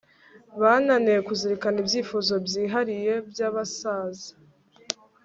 Bananiwe kuzirikana ibyifuzo byihariye byabasaza